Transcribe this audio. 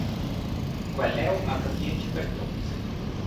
Quel leu ha capientscha per tut.